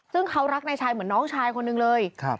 ซึ่งเขารักนายชายเหมือนน้องชายคนหนึ่งเลย